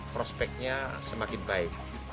prospeknya semakin baik